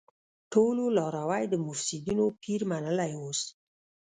ټولو لاروی د مفسيدينو پير منلی اوس